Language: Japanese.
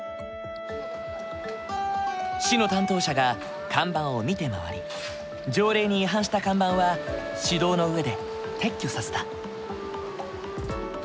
市の担当者が看板を見て回り条例に違反した看板は指導のうえで撤去させた。